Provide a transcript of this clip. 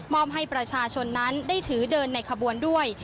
อบให้ประชาชนนั้นได้ถือเดินในขบวนด้วย